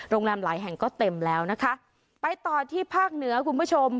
หลายแห่งก็เต็มแล้วนะคะไปต่อที่ภาคเหนือคุณผู้ชม